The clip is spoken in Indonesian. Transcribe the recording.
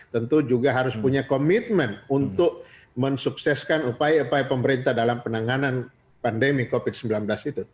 tentu juga harus punya komitmen untuk mensukseskan upaya upaya pemerintah dalam penanganan pandemi covid sembilan belas itu